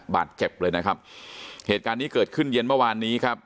บาดเจ็บเลยนะครับเหตุการณ์นี้เกิดขึ้นเย็นเมื่อวานนี้ครับ